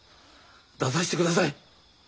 出させてください！